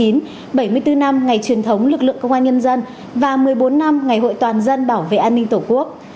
bảy mươi bốn năm ngày truyền thống lực lượng công an nhân dân và một mươi bốn năm ngày hội toàn dân bảo vệ an ninh tổ quốc